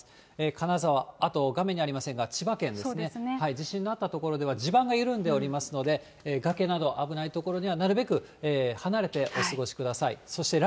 金沢、あと画面にありませんが、千葉県ですね、地震のあった所では、地盤が緩んでおりますので、崖など危ない所にはなるべく離れてお過ごしください。